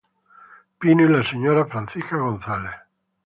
Pino y la señora Francisca González.